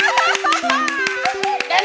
hidup dan boy